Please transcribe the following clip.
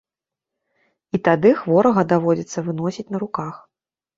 І тады хворага даводзіцца выносіць на руках.